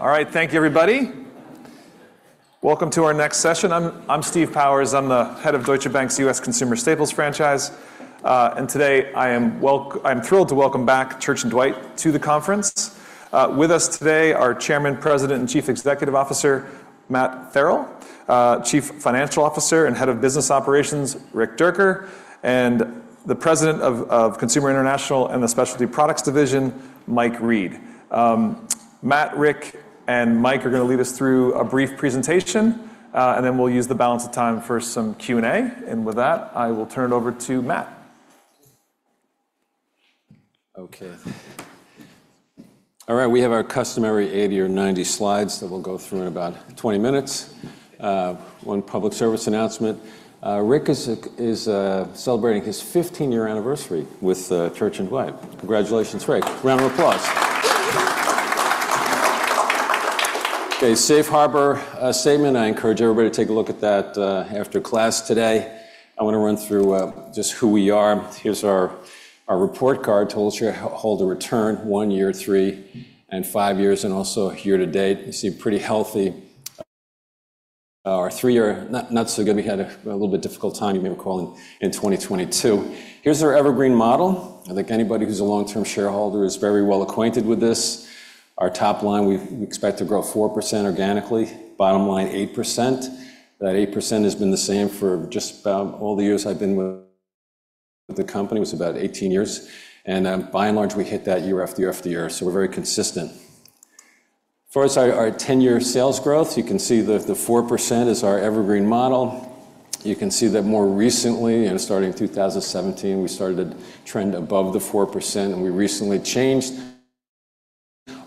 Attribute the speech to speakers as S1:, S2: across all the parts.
S1: All right. Thank you, everybody. Welcome to our next session. I'm Steve Powers. I'm the head of Deutsche Bank's U.S. Consumer Staples franchise. And today, I'm thrilled to welcome back Church & Dwight to the conference. With us today are Chairman, President, and Chief Executive Officer Matt Farrell; Chief Financial Officer and Head of Business Operations Rick Dierker; and the President of Consumer International and the Specialty Products Division Mike Read. Matt, Rick, and Mike are gonna lead us through a brief presentation, and then we'll use the balance of time for some Q&A. And with that, I will turn it over to Matt.
S2: Okay. All right, we have our customary 80 or 90 slides that we'll go through in about 20 minutes. One public service announcement, Rick is celebrating his 15-year anniversary with Church & Dwight. Congratulations, Rick. Round of applause. Okay, safe harbor statement, I encourage everybody to take a look at that after class today. I wanna run through just who we are. Here's our report card. Tells you shareholder return, one year, three, and five years, and also year to date. You see pretty healthy. Our three-year, not so good. We had a little bit difficult time, you may recall, in 2022. Here's our Evergreen Model. I think anybody who's a long-term shareholder is very well acquainted with this. Our top line, we expect to grow 4% organically, bottom line, 8%. That 8% has been the same for just about all the years I've been with the company, was about 18 years, and by and large, we hit that year after year after year, so we're very consistent. As far as our ten-year sales growth, you can see the 4% is our Evergreen Model. You can see that more recently, and starting in 2017, we started to trend above the 4%, and we recently changed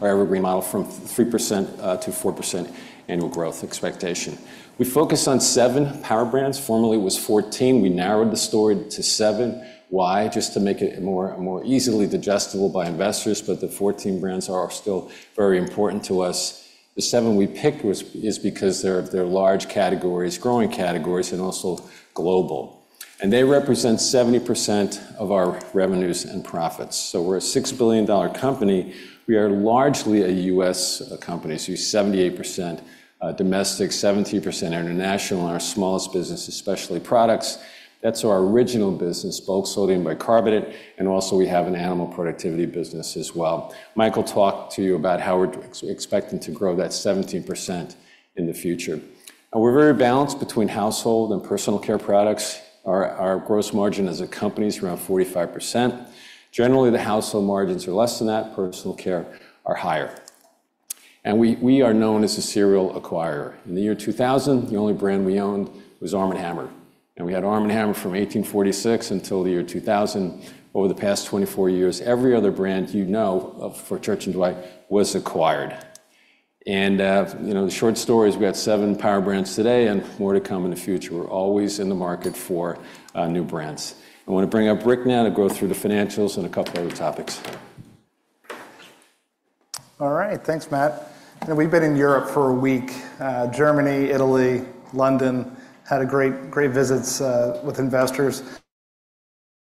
S2: our Evergreen Model from 3%, to 4% annual growth expectation. We focus on seven power brands. Formerly, it was 14. We narrowed the story to seven. Why? Just to make it more easily digestible by investors, but the 14 brands are still very important to us. The seven we picked was-- is because they're large categories, growing categories, and also global. They represent 70% of our revenues and profits. So we're a $6 billion company. We are largely a U.S. company, so you're 78% domestic, 17% international, and our smallest business is Specialty Products. That's our original business, bulk sodium bicarbonate, and also we have an Animal Productivity business as well. Mike will talk to you about how we're expecting to grow that 17% in the future. And we're very balanced between household and personal care products. Our gross margin as a company is around 45%. Generally, the household margins are less than that. Personal care are higher. And we are known as a serial acquirer. In the year 2000, the only brand we owned was Arm & Hammer, and we had Arm & Hammer from 1846 until the year 2000. Over the past 24 years, every other brand you know of, for Church & Dwight, was acquired. And, you know, the short story is we've got seven power brands today and more to come in the future. We're always in the market for, new brands. I wanna bring up Rick now to go through the financials and a couple other topics.
S3: All right. Thanks, Matt. And we've been in Europe for a week. Germany, Italy, London. Had a great, great visits with investors.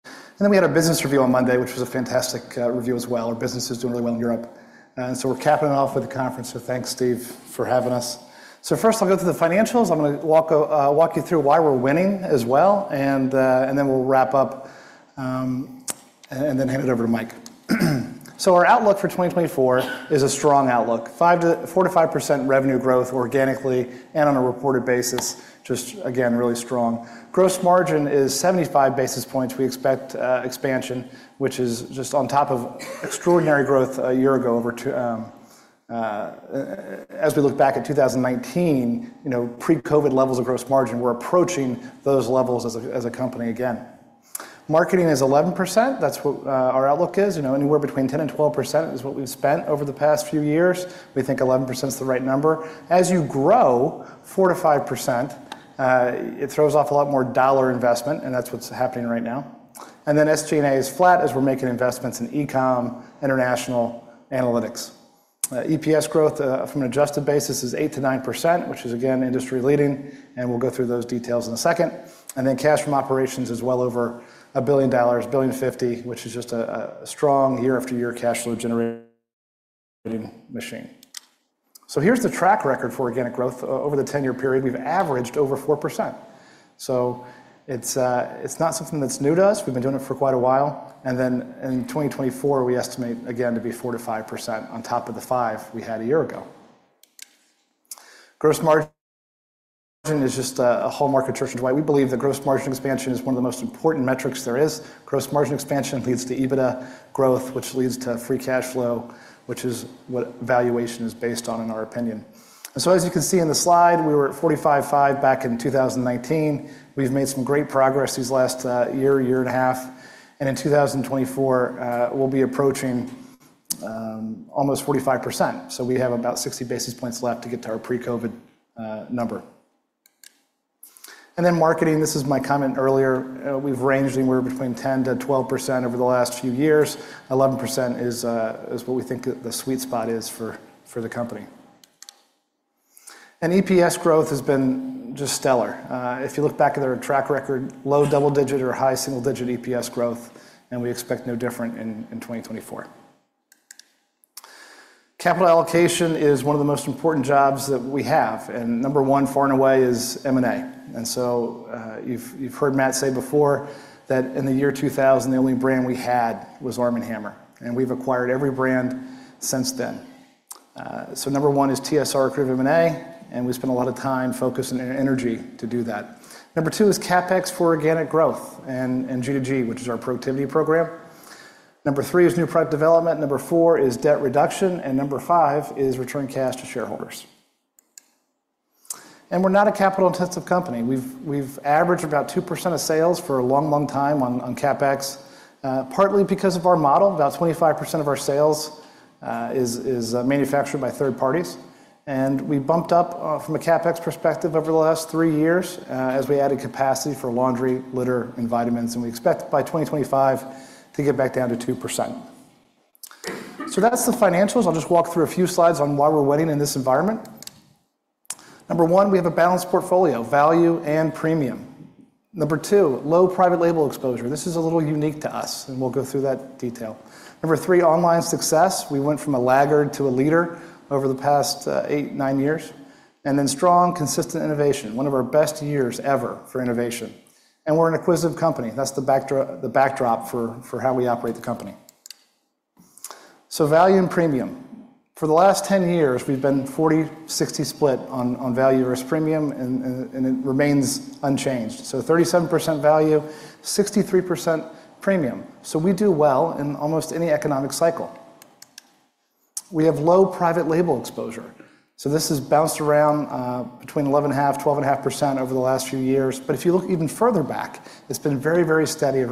S3: And then we had a business review on Monday, which was a fantastic review as well. Our business is doing really well in Europe. And so we're capping it off with a conference, so thanks, Steve, for having us. So first, I'll go through the financials. I'm gonna walk you through why we're winning as well, and then we'll wrap up, and then hand it over to Mike. So our outlook for 2024 is a strong outlook. 4%-5% revenue growth organically and on a reported basis, just again, really strong. Gross margin is 75 basis points. We expect expansion, which is just on top of extraordinary growth a year ago, over two... As we look back at 2019, you know, pre-COVID levels of gross margin, we're approaching those levels as a company again. Marketing is 11%. That's what our outlook is. You know, anywhere between 10% and 12% is what we've spent over the past few years. We think 11% is the right number. As you grow 4%-5%, it throws off a lot more dollar investment, and that's what's happening right now. Then SG&A is flat as we're making investments in e-com, international, analytics. EPS growth from an adjusted basis is 8%-9%, which is again industry leading, and we'll go through those details in a second. Cash from operations is well over $1.05 billion, which is just a strong year-after-year cash flow generating machine. So here's the track record for organic growth. Over the 10-year period, we've averaged over 4%. So it's not something that's new to us. We've been doing it for quite a while. And then in 2024, we estimate again to be 4%-5% on top of the 5% we had a year ago. Gross margin is just a hallmark of Church & Dwight. We believe that gross margin expansion is one of the most important metrics there is. Gross margin expansion leads to EBITDA growth, which leads to free cash flow, which is what valuation is based on, in our opinion. As you can see in the slide, we were at 45.5 back in 2019. We've made some great progress these last year and a half, and in 2024, we'll be approaching almost 45%. So we have about 60 basis points left to get to our pre-COVID number. And then marketing, this is my comment earlier. We've ranged anywhere between 10%-12% over the last few years. 11% is what we think the sweet spot is for the company. And EPS growth has been just stellar. If you look back at their track record, low double-digit or high single-digit EPS growth, and we expect no different in 2024. Capital allocation is one of the most important jobs that we have, and number one, far and away, is M&A. And so, you've heard Matt say before that in the year 2000, the only brand we had was ARM & HAMMER, and we've acquired every brand since then. So number one is TSR-accretive M&A, and we spend a lot of time, focus, and energy to do that. Number two is CapEx for organic growth and G2G, which is our productivity program. Number three is new product development. Number four is debt reduction, and number five is return cash to shareholders. And we're not a capital-intensive company. We've averaged about 2% of sales for a long, long time on CapEx, partly because of our model. About 25% of our sales is manufactured by third parties, and we bumped up from a CapEx perspective over the last three years as we added capacity for laundry, litter, and vitamins, and we expect by 2025 to get back down to 2%. So that's the financials. I'll just walk through a few slides on why we're winning in this environment. Number one, we have a balanced portfolio, value and premium. Number two, low private label exposure. This is a little unique to us, and we'll go through that detail. Number three, online success. We went from a laggard to a leader over the past eight-nine years. Then strong, consistent innovation, one of our best years ever for innovation. We're an acquisitive company. That's the backdrop for how we operate the company. So value and premium. For the last 10 years, we've been 40-60 split on value versus premium, and it remains unchanged. So 37% value, 63% premium. So we do well in almost any economic cycle. We have low private label exposure, so this has bounced around between 11.5%-12.5% over the last few years. But if you look even further back, it's been very steady at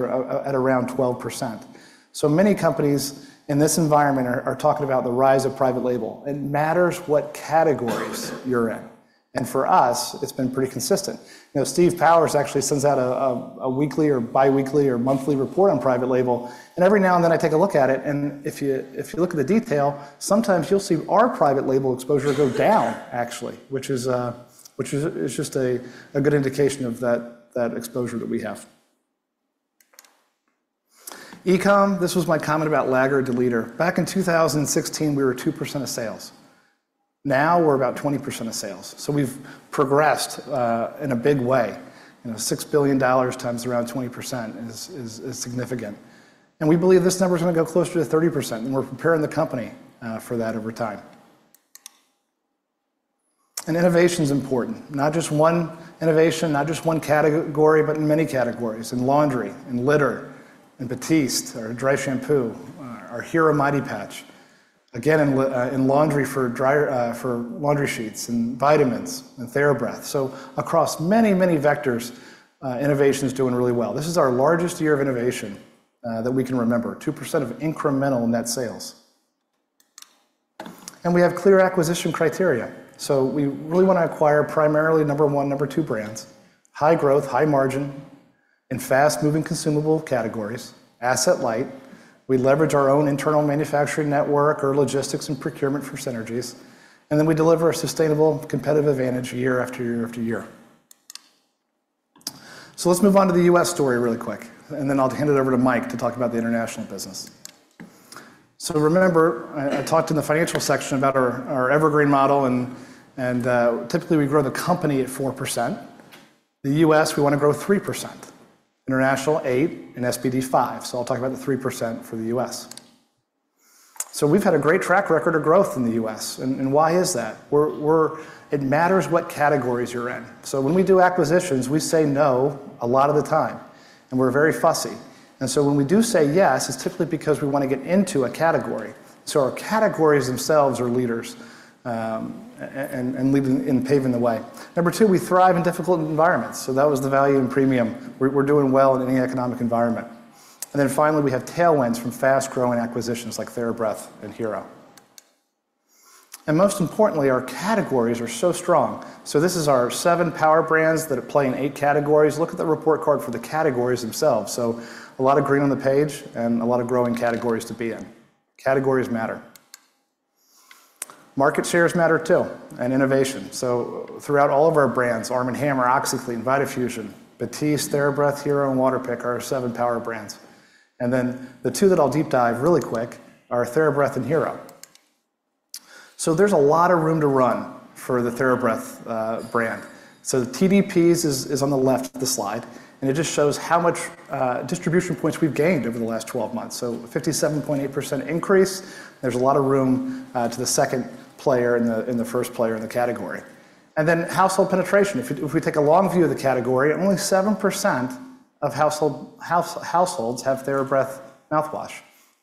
S3: around 12%. So many companies in this environment are talking about the rise of private label. It matters what categories you're in, and for us, it's been pretty consistent. You know, Steve Powers actually sends out a weekly or biweekly or monthly report on private label, and every now and then, I take a look at it, and if you look at the detail, sometimes you'll see our private label exposure go down, actually, which is just a good indication of that exposure that we have. E-com, this was my comment about laggard to leader. Back in 2016, we were 2% of sales. Now we're about 20% of sales, so we've progressed in a big way. You know, $6 billion times around 20% is significant, and we believe this number is gonna go closer to 30%, and we're preparing the company for that over time. And innovation's important. Not just one innovation, not just one category, but in many categories, in laundry, in litter, in Batiste, our dry shampoo, our Hero Mighty Patch. Again, in laundry for dryer, for laundry sheets and vitamins and TheraBreath. So across many, many vectors, innovation is doing really well. This is our largest year of innovation that we can remember, 2% of incremental net sales. And we have clear acquisition criteria, so we really wanna acquire primarily number one, number two brands, high growth, high margin, in fast-moving consumable categories, asset light. We leverage our own internal manufacturing network or logistics and procurement for synergies, and then we deliver a sustainable competitive advantage year after year after year. So let's move on to the U.S. story really quick, and then I'll hand it over to Mike to talk about the international business. So remember, I talked in the financial section about our evergreen model, and typically, we grow the company at 4%. The U.S., we wanna grow 3%, international 8%, and SPD 5%. So I'll talk about the 3% for the U.S. So we've had a great track record of growth in the U.S., and why is that? It matters what categories you're in. So when we do acquisitions, we say no a lot of the time, and we're very fussy. And so when we do say yes, it's typically because we wanna get into a category, so our categories themselves are leaders, and leading and paving the way. Number two, we thrive in difficult environments, so that was the value and premium. We're doing well in any economic environment. And then finally, we have tailwinds from fast-growing acquisitions like TheraBreath and Hero. And most importantly, our categories are so strong. So this is our seven power brands that play in eight categories. Look at the report card for the categories themselves. So a lot of green on the page and a lot of growing categories to be in. Categories matter. Market shares matter, too, and innovation. So throughout all of our brands, Arm & Hammer, OxiClean, Vitafusion, Batiste, TheraBreath, Hero, and Waterpik are our seven power brands. And then the two that I'll deep dive really quick are TheraBreath and Hero. So there's a lot of room to run for the TheraBreath brand. So the TDPs is on the left of the slide, and it just shows how much distribution points we've gained over the last 12 months. So a 57.8% increase, there's a lot of room to the second player and the first player in the category. And then household penetration, if we take a long view of the category, only 7% of households have TheraBreath mouthwash,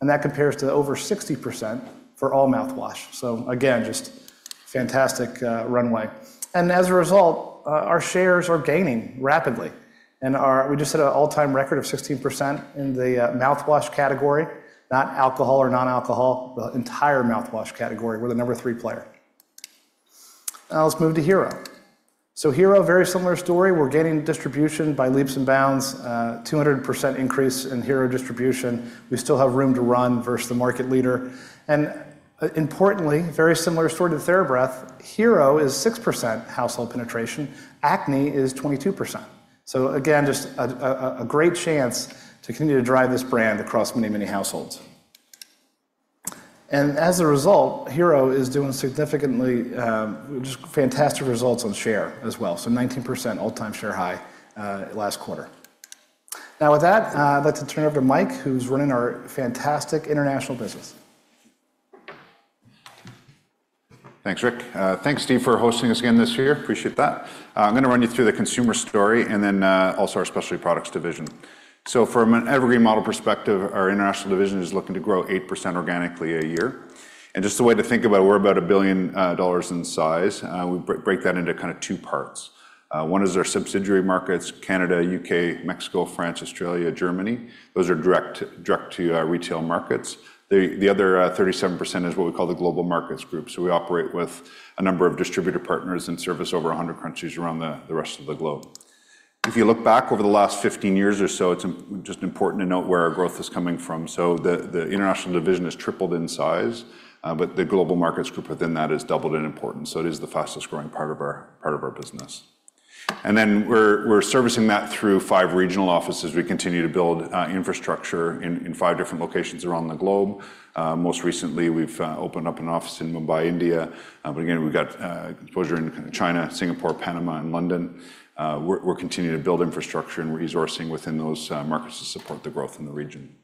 S3: and that compares to over 60% for all mouthwash. So again, just fantastic runway. And as a result, our shares are gaining rapidly, and our... We just hit an all-time record of 16% in the mouthwash category, not alcohol or non-alcohol, the entire mouthwash category. We're the number three player. Now let's move to Hero. So Hero, very similar story. We're gaining distribution by leaps and bounds, 200% increase in Hero distribution. We still have room to run versus the market leader. And, importantly, very similar story to TheraBreath, Hero is 6% household penetration. Acne is 22%. So again, just a great chance to continue to drive this brand across many, many households. And as a result, Hero is doing significantly, just fantastic results on share as well. So 19% all-time share high, last quarter. Now, with that, I'd like to turn it over to Mike, who's running our fantastic international business.
S4: Thanks, Rick. Thanks, Steve, for hosting us again this year. Appreciate that. I'm gonna run you through the consumer story and then also our specialty products division. So from an Evergreen Model perspective, our international division is looking to grow 8% organically a year. And just a way to think about it, we're about $1 billion in size, and we break that into kinda two parts. One is our subsidiary markets, Canada, U.K., Mexico, France, Australia, Germany. Those are direct, direct-to-retail markets. The other 37% is what we call the Global Markets Group. So we operate with a number of distributor partners and service over 100 countries around the rest of the globe. If you look back over the last 15 years or so, it's just important to note where our growth is coming from. So the international division has tripled in size, but the Global Markets Group within that has doubled in importance, so it is the fastest-growing part of our business. And then we're servicing that through five regional offices. We continue to build infrastructure in five different locations around the globe. Most recently, we've opened up an office in Mumbai, India. But again, we've got exposure in China, Singapore, Panama, and London. We're continuing to build infrastructure and resourcing within those markets to support the growth in the region.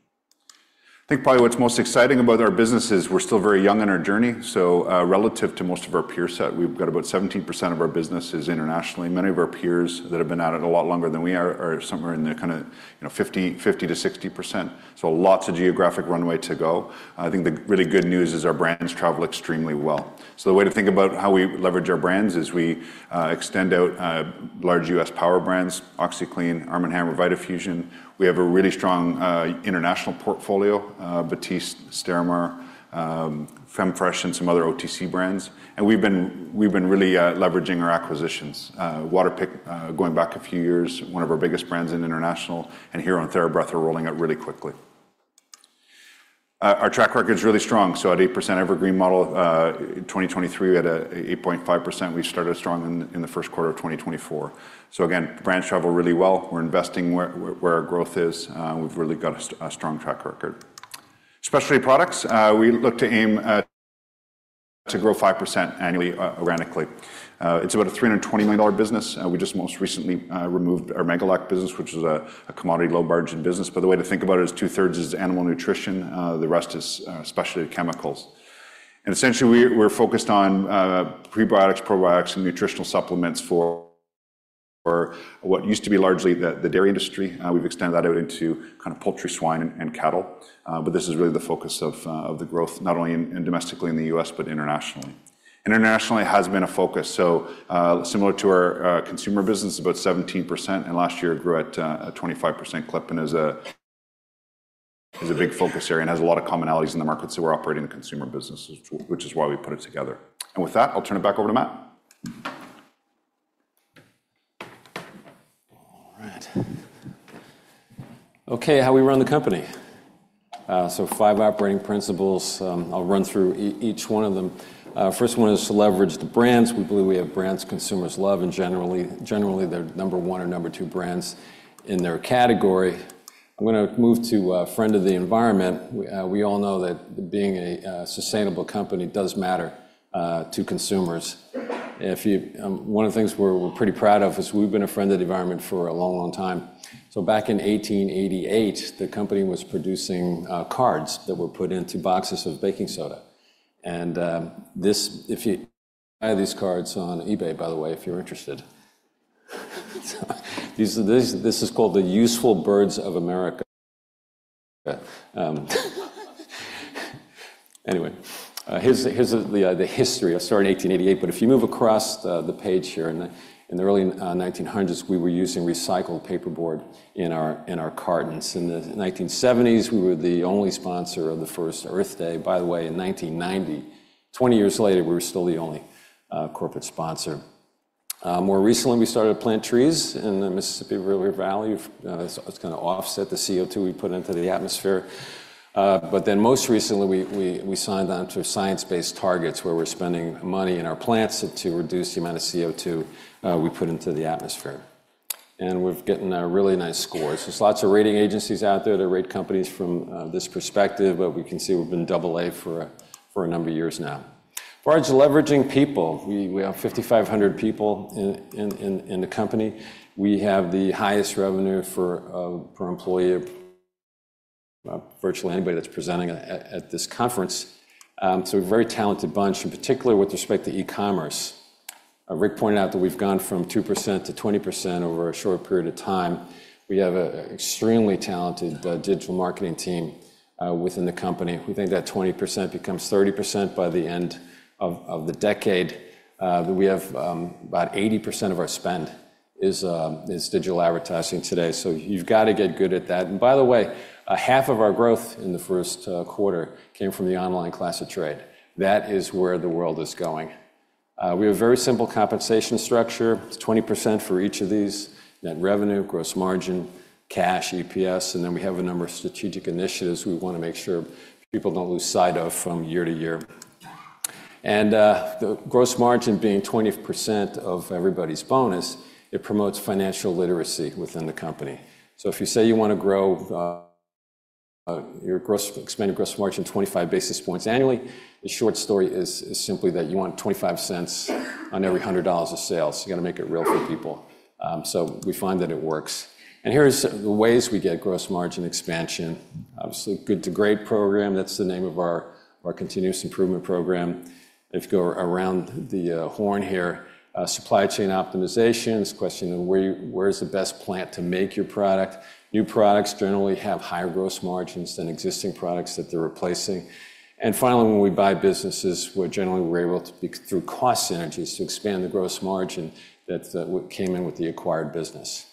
S4: I think probably what's most exciting about our business is we're still very young in our journey. So, relative to most of our peer set, we've got about 17% of our business is internationally. Many of our peers that have been at it a lot longer than we are, are somewhere in the kinda, you know, 50-60%. So lots of geographic runway to go. I think the really good news is our brands travel extremely well. So the way to think about how we leverage our brands is we extend out large U.S. power brands, OxiClean, Arm & Hammer, Vitafusion. We have a really strong international portfolio, Batiste, Stérimar, Femfresh, and some other OTC brands. And we've been really leveraging our acquisitions. Waterpik, going back a few years, one of our biggest brands in international and Hero and TheraBreath are rolling out really quickly. Our track record is really strong, so at 8% Evergreen Model, in 2023, we had an 8.5%. We started strong in the first quarter of 2024. So again, brands travel really well. We're investing where our growth is. We've really got a strong track record. Specialty products, we look to aim at to grow 5% annually, organically. It's about a $320 million business. We just most recently removed our Megalac business, which is a commodity low-margin business. But the way to think about it is two-thirds is animal nutrition, the rest is specialty chemicals. And essentially, we're focused on prebiotics, probiotics, and nutritional supplements for what used to be largely the dairy industry. We've extended that out into kind of poultry, swine, and cattle. But this is really the focus of the growth, not only domestically in the U.S., but internationally. Internationally has been a focus, so similar to our consumer business, about 17%, and last year it grew at a 25% clip and is a big focus area and has a lot of commonalities in the markets that we're operating the consumer business, which is why we put it together. And with that, I'll turn it back over to Matt.
S2: All right. Okay, how we run the company. So five operating principles. I'll run through each one of them. First one is to leverage the brands. We believe we have brands consumers love, and generally, they're number one or number two brands in their category. I'm gonna move to friend of the environment. We all know that being a sustainable company does matter to consumers. If you... One of the things we're pretty proud of is we've been a friend of the environment for a long, long time. So back in 1888, the company was producing cards that were put into boxes of baking soda. And this, if you buy these cards on eBay, by the way, if you're interested. These are called the Useful Birds of America. Anyway, here's the history. It started in 1888, but if you move across the page here, in the early 1900s, we were using recycled paperboard in our cartons. In the 1970s, we were the only sponsor of the first Earth Day. By the way, in 1990, 20 years later, we were still the only corporate sponsor. More recently, we started to plant trees in the Mississippi River Valley. It's gonna offset the CO2 we put into the atmosphere. But then most recently, we signed on to science-based targets, where we're spending money in our plants to reduce the amount of CO2 we put into the atmosphere, and we've gotten a really nice score. So there's lots of rating agencies out there that rate companies from this perspective, but we can see we've been double A for a number of years now. As far as leveraging people, we have 5,500 people in the company. We have the highest revenue per employee virtually anybody that's presenting at this conference. So a very talented bunch, and particularly with respect to e-commerce. Rick pointed out that we've gone from 2% to 20% over a short period of time. We have a extremely talented digital marketing team within the company. We think that 20% becomes 30% by the end of the decade. We have about 80% of our spend is digital advertising today, so you've got to get good at that. And by the way, half of our growth in the first quarter came from the online class of trade. That is where the world is going. We have a very simple compensation structure. It's 20% for each of these, net revenue, gross margin, cash, EPS, and then we have a number of strategic initiatives we wanna make sure people don't lose sight of from year to year. And the gross margin being 20% of everybody's bonus, it promotes financial literacy within the company. So if you say you wanna grow your gross margin expanded 25 basis points annually, the short story is simply that you want $0.25 on every $100 of sales. You gotta make it real for people. So we find that it works. And here is the ways we get gross margin expansion. Obviously, Good to Great program, that's the name of our, our continuous improvement program. If you go around the horn here, supply chain optimization, this question of where is the best plant to make your product? New products generally have higher gross margins than existing products that they're replacing. And finally, when we buy businesses, we're generally we're able to through cost synergies to expand the gross margin that came in with the acquired business.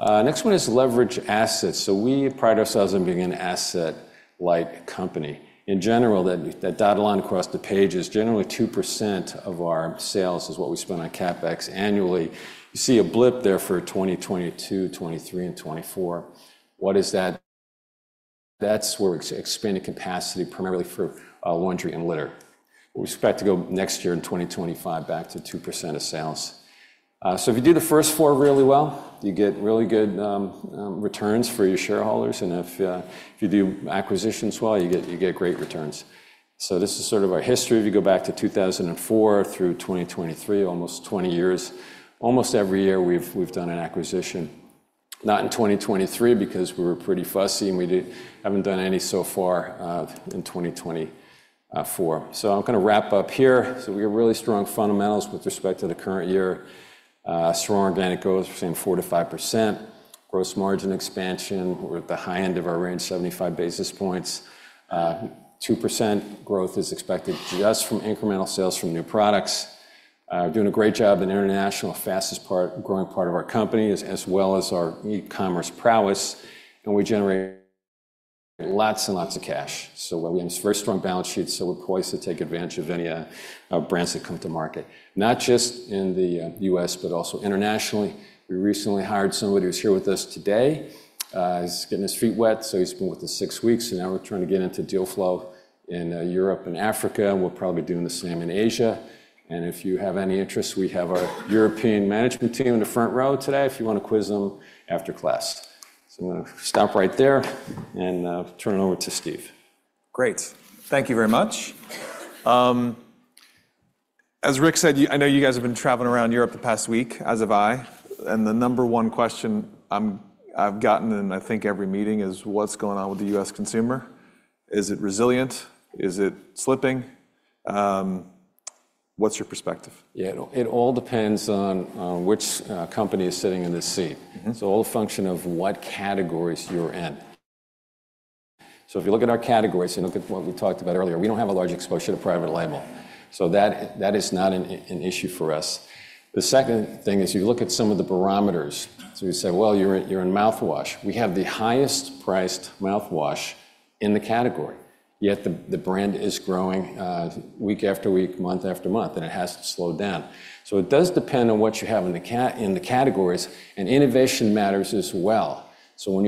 S2: Next one is leverage assets. So we pride ourselves on being an asset-like company. In general, that dotted line across the page is generally 2% of our sales is what we spend on CapEx annually. You see a blip there for 2022, 2023, and 2024. What is that? That's where we're expanding capacity, primarily for laundry and litter. We expect to go next year in 2025, back to 2% of sales. So if you do the first four really well, you get really good returns for your shareholders, and if you do acquisitions well, you get great returns. So this is sort of our history. If you go back to 2004 through 2023, almost 20 years, almost every year we've done an acquisition. Not in 2023 because we were pretty fussy, and we haven't done any so far in 2024. So I'm gonna wrap up here. So we have really strong fundamentals with respect to the current year. Strong organic growth between 4%-5%. Gross margin expansion, we're at the high end of our range, 75 basis points. 2% growth is expected just from incremental sales from new products. We're doing a great job in international, fastest growing part of our company, as well as our e-commerce prowess, and we generate lots and lots of cash. We have a very strong balance sheet, so we're poised to take advantage of any brands that come to market, not just in the U.S., but also internationally. We recently hired somebody who's here with us today. He's getting his feet wet, so he's been with us six weeks, and now we're trying to get into deal flow in Europe and Africa, and we're probably doing the same in Asia. If you have any interest, we have our European management team in the front row today, if you wanna quiz them after class. So I'm gonna stop right there and turn it over to Steve.
S1: Great. Thank you very much. As Rick said, you, I know you guys have been traveling around Europe the past week, as have I, and the number one question I've gotten in, I think, every meeting is: What's going on with the U.S. consumer? Is it resilient? Is it slipping? What's your perspective?
S2: Yeah, it all depends on which company is sitting in this seat.
S1: Mm-hmm.
S2: So all a function of what categories you're in. So if you look at our categories, you look at what we talked about earlier, we don't have a large exposure to private label, so that is not an issue for us. The second thing is, you look at some of the barometers. So you say, "Well, you're in mouthwash." We have the highest priced mouthwash in the category, yet the brand is growing week after week, month after month, and it hasn't slowed down. So it does depend on what you have in the categories, and innovation matters as well. So when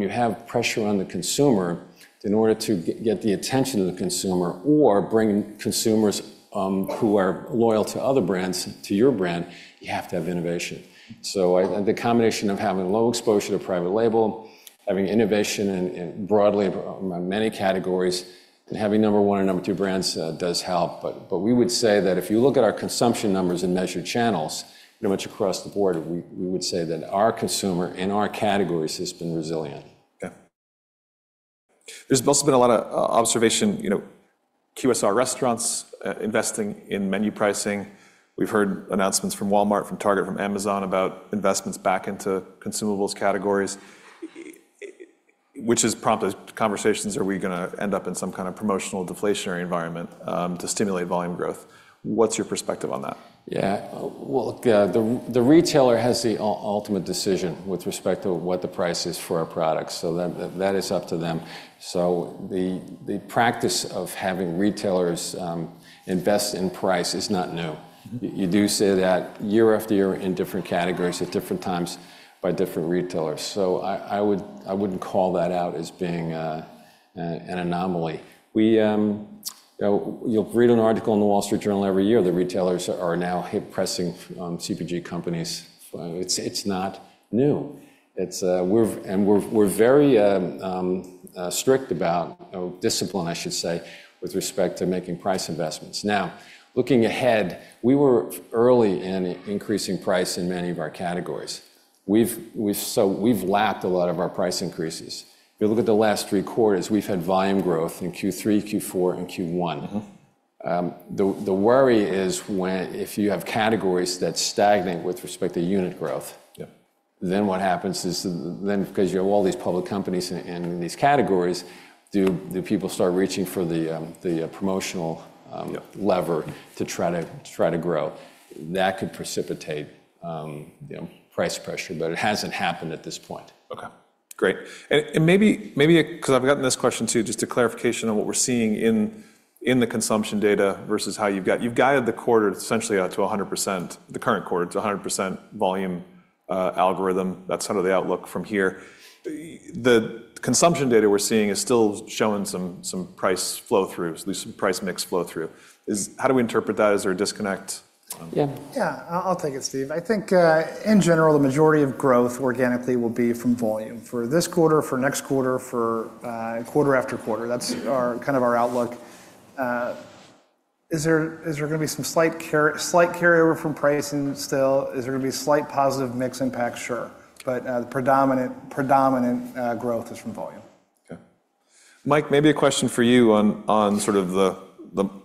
S2: you have pressure on the consumer, in order to get the attention of the consumer or bring consumers who are loyal to other brands to your brand, you have to have innovation. The combination of having low exposure to private label, having innovation and broadly among many categories, and having number one and number two brands does help. But we would say that if you look at our consumption numbers in measured channels, pretty much across the board, we would say that our consumer and our categories has been resilient.
S1: Yeah. There's also been a lot of observation, you know, QSR restaurants investing in menu pricing. We've heard announcements from Walmart, from Target, from Amazon, about investments back into consumables categories, which has prompted conversations, are we gonna end up in some kind of promotional deflationary environment to stimulate volume growth? What's your perspective on that?
S2: Yeah. Well, the retailer has the ultimate decision with respect to what the price is for our products, so that is up to them. So the practice of having retailers invest in price is not new.
S1: Mm-hmm.
S2: You do see that year after year in different categories at different times by different retailers. So I, I would, I wouldn't call that out as being, a, an anomaly. We... You'll read an article in The Wall Street Journal every year, the retailers are now pressing, CPG companies. It's, it's not new. It's, we're-- and we're, we're very, strict about, or disciplined, I should say, with respect to making price investments. Now, looking ahead, we were early in increasing price in many of our categories. We've, we've-- so we've lapped a lot of our price increases. If you look at the last three quarters, we've had volume growth in Q3, Q4, and Q1.
S1: Mm-hmm.
S2: The worry is when—if you have categories that's stagnant with respect to unit growth.
S1: Yeah
S2: Then what happens is, because you have all these public companies and in these categories, do people start reaching for the promotional,
S1: Yeah
S2: Lever to try to, try to grow? That could precipitate, you know, price pressure, but it hasn't happened at this point.
S1: Okay, great. And, and maybe, maybe 'cause I've gotten this question too, just a clarification on what we're seeing in, in the consumption data versus how you've guided. You've guided the quarter essentially out to 100%, the current quarter, to 100% volume algorithm. That's kind of the outlook from here. The consumption data we're seeing is still showing some, some price flow-through, at least some price mix flow-through. Is. How do we interpret that? Is there a disconnect?
S2: Yeah.
S3: Yeah, I'll take it, Steve. I think, in general, the majority of growth organically will be from volume. For this quarter, for next quarter, for quarter after quarter. That's our, kind of our outlook. Is there gonna be some slight carryover from pricing still? Is there gonna be slight positive mix impact? Sure. But, the predominant growth is from volume.
S1: Okay. Mike, maybe a question for you on sort of the,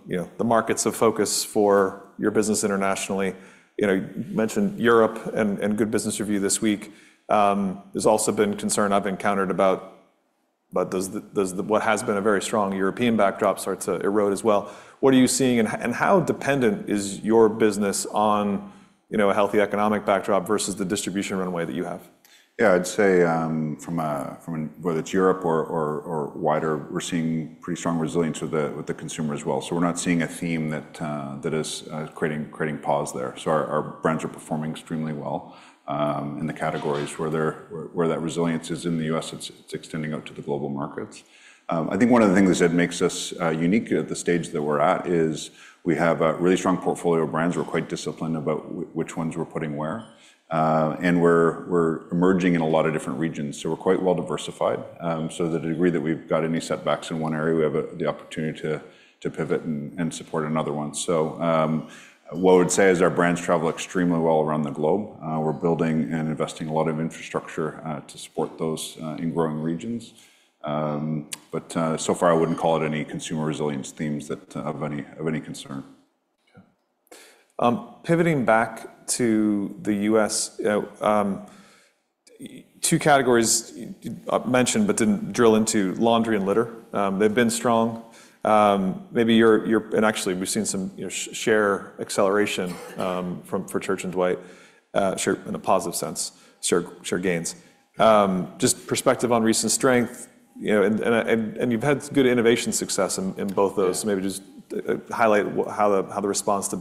S1: you know, the markets of focus for your business internationally. You know, you mentioned Europe and Good Business Review this week. There's also been concern I've encountered about does the what has been a very strong European backdrop start to erode as well? What are you seeing, and how dependent is your business on, you know, a healthy economic backdrop versus the distribution runway that you have?
S4: Yeah, I'd say from whether it's Europe or wider, we're seeing pretty strong resilience with the consumer as well. So we're not seeing a theme that is creating pause there. So our brands are performing extremely well in the categories where they're... Where that resilience is in the U.S., it's extending out to the global markets. I think one of the things that makes us unique at the stage that we're at is we have a really strong portfolio of brands. We're quite disciplined about which ones we're putting where, and we're emerging in a lot of different regions, so we're quite well diversified. So to the degree that we've got any setbacks in one area, we have the opportunity to pivot and support another one. So, what I would say is our brands travel extremely well around the globe. We're building and investing a lot of infrastructure to support those in growing regions. But so far, I wouldn't call it any consumer resilience themes that have any concern.
S1: Okay. Pivoting back to the U.S., two categories you mentioned but didn't drill into, laundry and litter. They've been strong. Maybe you're, and actually, we've seen some, you know, share acceleration from for Church & Dwight, share in a positive sense, share gains. Just perspective on recent strength, you know, and you've had good innovation success in both those.
S4: Yeah.
S1: So maybe just highlight how the response to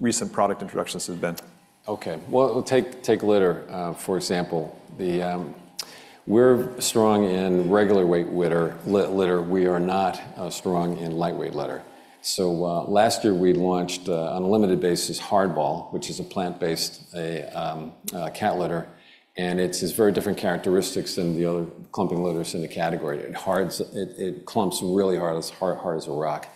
S1: recent product introductions have been.
S2: Okay. Well, we'll take litter for example. We're strong in regular weight litter. We are not strong in lightweight litter. So, last year, we launched on a limited basis, HardBall, which is a plant-based cat litter, and it's this very different characteristics than the other clumping litters in the category. It hards, it clumps really hard, as hard as a rock.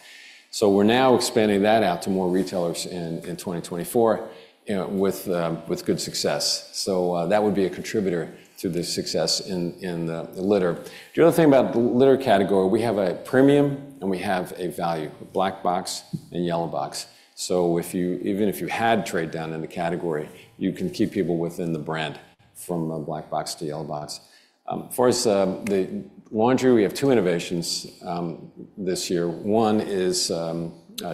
S2: So we're now expanding that out to more retailers in 2024 with good success. So, that would be a contributor to the success in the litter. The other thing about the litter category, we have a premium, and we have a value, a black box and yellow box. So if you, even if you had trade down in the category, you can keep people within the brand from a black box to yellow box. As far as the laundry, we have two innovations this year. One is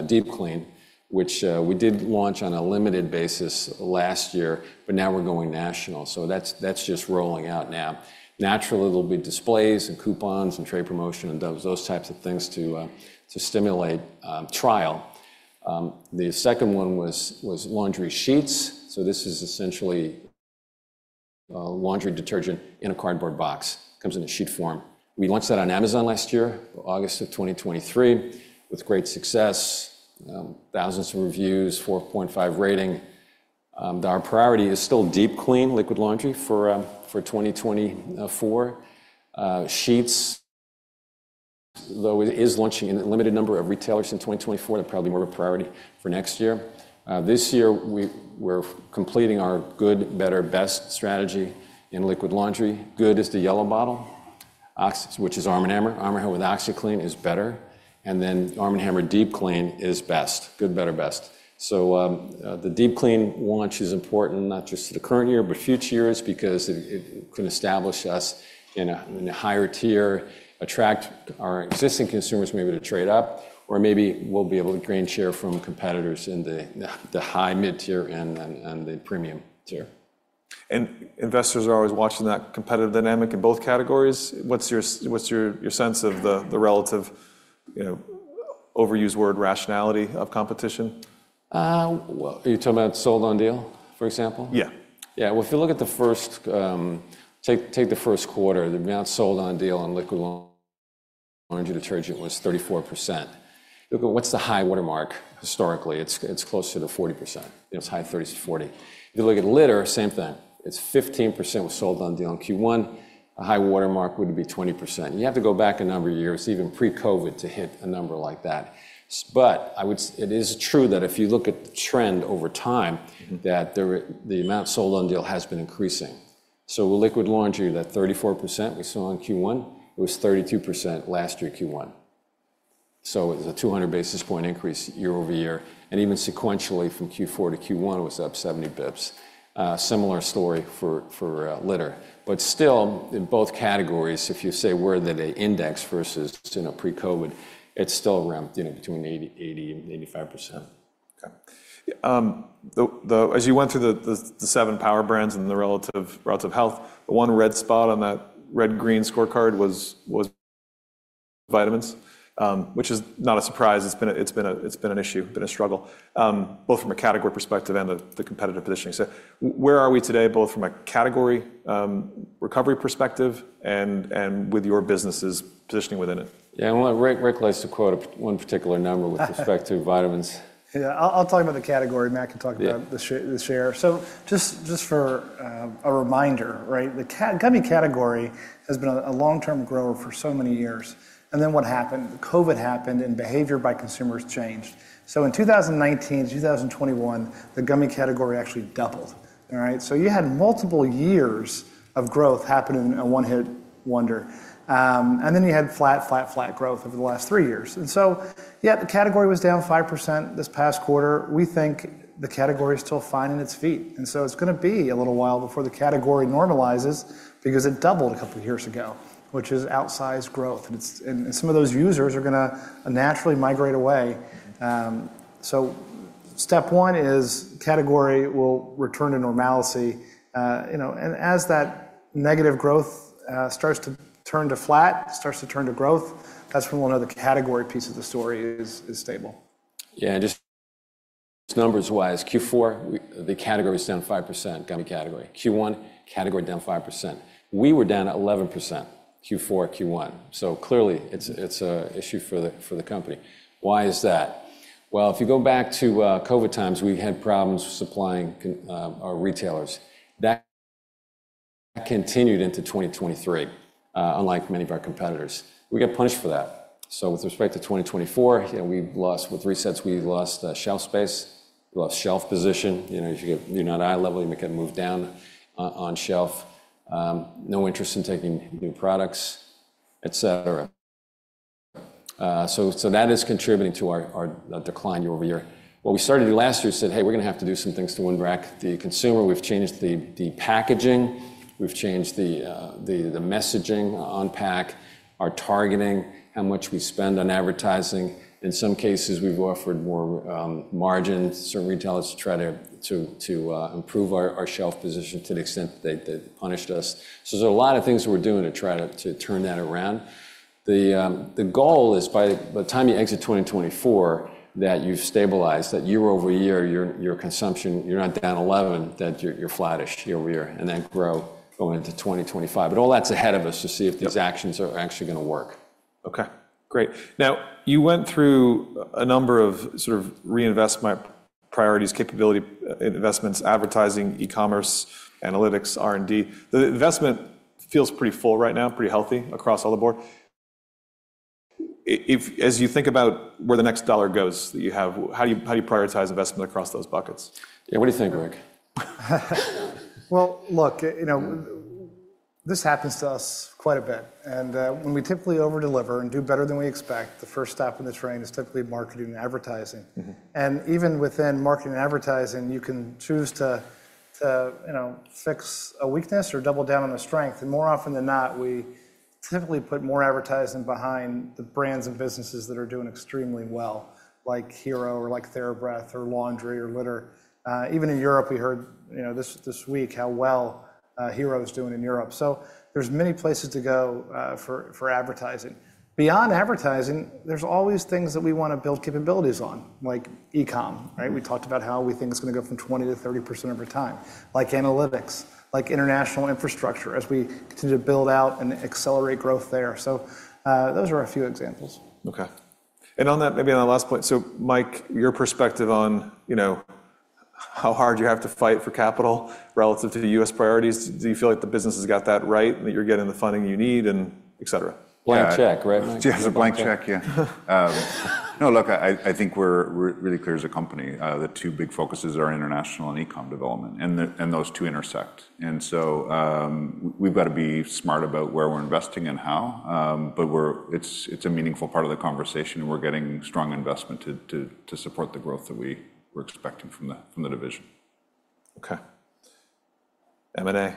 S2: Deep Clean, which we did launch on a limited basis last year, but now we're going national. So that's just rolling out now. Naturally, there'll be displays and coupons and trade promotion and those types of things to stimulate trial. The second one was laundry sheets. So this is essentially laundry detergent in a cardboard box. Comes in a sheet form. We launched that on Amazon last year, August of 2023, with great success, thousands of reviews, 4.5 rating. Our priority is still Deep Clean liquid laundry for 2024. Sheets, though it is launching in a limited number of retailers in 2024, they're probably more of a priority for next year. This year, we're completing our good, better, best strategy in liquid laundry. Good is the yellow bottle, Oxi, which is Arm & Hammer. Arm & Hammer with OxiClean is better, and then Arm & Hammer Deep Clean is best. Good, better, best. So, the Deep Clean launch is important not just to the current year, but future years because it can establish us in a higher tier, attract our existing consumers maybe to trade up, or maybe we'll be able to gain share from competitors in the high mid-tier and then the premium tier.
S1: Investors are always watching that competitive dynamic in both categories. What's your sense of the relative, you know, overused word, rationality of competition?
S2: Well, are you talking about sold on deal, for example?
S1: Yeah.
S2: Yeah. Well, if you look at the first, take the first quarter, the amount sold on deal on liquid laundry detergent was 34%. You go, what's the high water mark historically? It's close to the 40%. It's high 30s to 40. If you look at litter, same thing. It's 15% was sold on deal in Q1. A high water mark would be 20%. You have to go back a number of years, even pre-COVID, to hit a number like that. But I would say it is true that if you look at the trend over time, that the amount sold on deal has been increasing. So with liquid laundry, that 34% we saw in Q1, it was 32% last year, Q1. It was a 200 basis point increase year-over-year, and even sequentially from Q4 to Q1, it was up 70 basis points. Similar story for litter. But still, in both categories, if you say we're that an index versus, you know, pre-COVID, it's still around, you know, between 80 and 85%.
S1: Okay. As you went through the seven power brands and the relative health, the one red spot on that red-green scorecard was vitamins, which is not a surprise. It's been an issue, been a struggle, both from a category perspective and the competitive positioning. So where are we today, both from a category recovery perspective and with your business's positioning within it?
S2: Yeah, well, Rick, Rick likes to quote a one particular number with respect to vitamins.
S3: Yeah, I'll talk about the category. Matt can talk about-
S2: Yeah
S3: The share, the share. So just, just for a reminder, right, the gummy category has been a long-term grower for so many years. And then what happened? COVID happened, and behavior by consumers changed. So in 2019 to 2021, the gummy category actually doubled. All right? So you had multiple years of growth happening in a one-hit wonder. And then you had flat, flat, flat growth over the last three years. And so, yeah, the category was down 5% this past quarter. We think the category is still finding its feet, and so it's gonna be a little while before the category normalizes because it doubled a couple of years ago, which is outsized growth, and some of those users are gonna naturally migrate away. So step one is category will return to normalcy. You know, and as that negative growth starts to turn to flat, starts to turn to growth, that's when we'll know the category piece of the story is, is stable.
S2: Yeah, and just numbers-wise, Q4, the category is down 5%, gummy category. Q1, category down 5%. We were down 11%, Q4, Q1. So clearly, it's a issue for the company. Why is that? Well, if you go back to COVID times, we had problems with supplying our retailers. That continued into 2023, unlike many of our competitors. We got punished for that. So with respect to 2024, you know, we lost with resets, we lost shelf space, we lost shelf position. You know, if you get. You're not eye level, you may get moved down on shelf. No interest in taking new products, et cetera. So that is contributing to our the decline year-over-year. What we started last year, said, "Hey, we're gonna have to do some things to win back the consumer." We've changed the packaging, we've changed the messaging on pack, our targeting, how much we spend on advertising. In some cases, we've offered more margins to certain retailers to try to improve our shelf position to the extent that they punished us. So there's a lot of things we're doing to try to turn that around. The goal is by the time you exit 2024, that you've stabilized, that year-over-year, your consumption, you're not down 11, that you're flattish year-over-year, and then grow going into 2025. But all that's ahead of us to see if these actions are actually gonna work.
S1: Okay, great. Now, you went through a number of sort of reinvestment priorities, capability investments, advertising, e-commerce, analytics, R&D. The investment feels pretty full right now, pretty healthy across all the board. If, as you think about where the next dollar goes that you have, how do you, how do you prioritize investment across those buckets?
S2: Yeah, what do you think, Rick?
S3: Well, look, you know, this happens to us quite a bit, and, when we typically over-deliver and do better than we expect, the first stop in the train is typically marketing and advertising.
S2: Mm-hmm.
S3: And even within marketing and advertising, you can choose to, you know, fix a weakness or double down on a strength. And more often than not, we typically put more advertising behind the brands and businesses that are doing extremely well, like Hero, or like TheraBreath, or Laundry, or Litter. Even in Europe, we heard, you know, this week, how well Hero is doing in Europe. So there's many places to go for advertising. Beyond advertising, there's always things that we want to build capabilities on, like e-com, right? We talked about how we think it's gonna go from 20%-30% over time, like analytics, like international infrastructure, as we continue to build out and accelerate growth there. So, those are a few examples.
S1: Okay. And on that, maybe on that last point, so Mike, your perspective on, you know, how hard you have to fight for capital relative to the US priorities. Do you feel like the business has got that right, that you're getting the funding you need, and etc.?
S2: Blank check, right, Mike?
S4: Yeah, the blank check, yeah. No, look, I think we're really clear as a company. The two big focuses are international and e-com development, and those two intersect. And so, we've got to be smart about where we're investing and how, but it's a meaningful part of the conversation, and we're getting strong investment to support the growth that we're expecting from the division.
S1: Okay. M&A,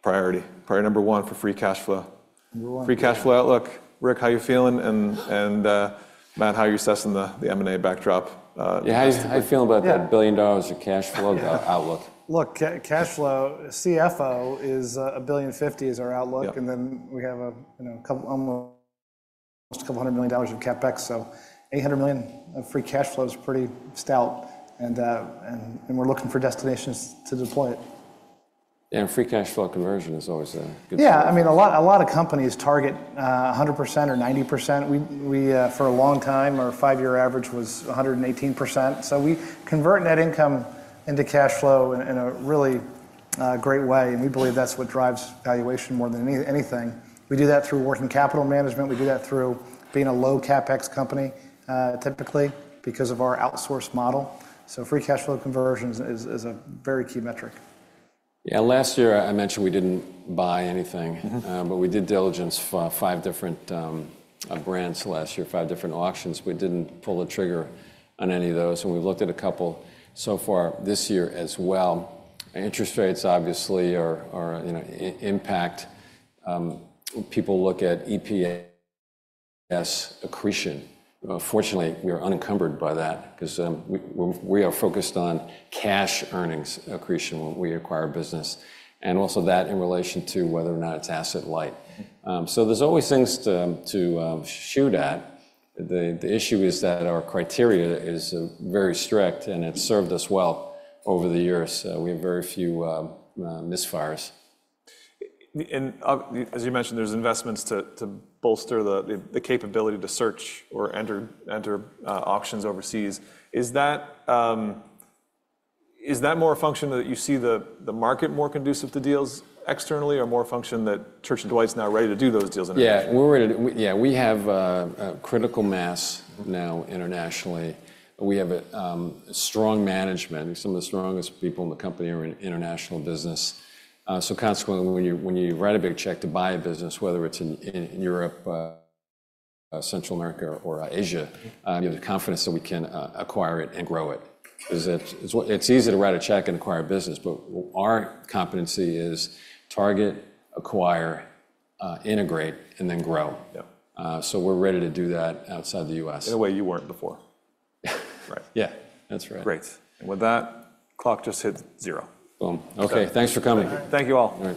S1: priority, priority number one for free cash flow.
S3: Number one.
S1: Free Cash Flow outlook. Rick, how are you feeling? And Matt, how are you assessing the M&A backdrop, as-
S2: Yeah, how do you feel about that $1 billion of cash flow outlook?
S3: Look, cash flow, CFO is $1.05 billion is our outlook.
S2: Yep.
S3: And then we have, you know, almost a couple hundred million dollars of CapEx, so $800 million of free cash flow is pretty stout, and we're looking for destinations to deploy it.
S2: Free cash flow conversion is always a good thing.
S3: Yeah, I mean, a lot of companies target 100% or 90%. We for a long time, our five-year average was 118%. So we convert net income into cash flow in a really great way, and we believe that's what drives valuation more than anything. We do that through working capital management. We do that through being a low CapEx company, typically because of our outsourced model. So free cash flow conversion is a very key metric.
S2: Yeah, last year, I mentioned we didn't buy anything-
S3: Mm-hmm...
S2: but we did diligence for five different brands last year, five different auctions, but didn't pull the trigger on any of those, and we've looked at a couple so far this year as well. Interest rates obviously are, you know, impact. People look at EPS accretion. Fortunately, we are unencumbered by that 'cause we are focused on cash earnings accretion when we acquire a business, and also that in relation to whether or not it's asset light.
S3: Mm-hmm.
S2: So there's always things to shoot at. The issue is that our criteria is very strict, and it's served us well over the years. We have very few misfires.
S1: And as you mentioned, there's investments to bolster the capability to search or enter auctions overseas. Is that more a function that you see the market more conducive to deals externally or more a function that Church & Dwight is now ready to do those deals internationally?
S2: Yeah, we have a critical mass now internationally. We have a strong management. Some of the strongest people in the company are in international business. So consequently, when you write a big check to buy a business, whether it's in Europe, Central America, or Asia, you have the confidence that we can acquire it and grow it. 'Cause it's easy to write a check and acquire a business, but our competency is target, acquire, integrate, and then grow.
S4: Yep.
S2: So we're ready to do that outside the U.S.
S1: In a way, you weren't before.
S4: Right.
S2: Yeah, that's right.
S1: Great. With that, clock just hit zero.
S2: Boom. Okay, thanks for coming.
S1: Thank you all.
S2: All right.